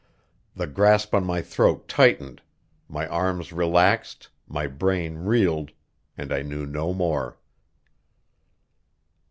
The grasp on my throat tightened; my arms relaxed, my brain reeled, and I knew no more.